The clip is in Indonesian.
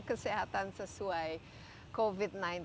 kesehatan sesuai covid sembilan belas